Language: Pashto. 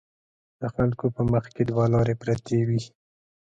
د خلکو په مخکې دوه لارې پرتې وي.